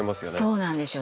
そうなんですよ。